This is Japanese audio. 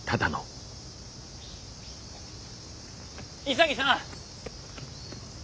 潔さん！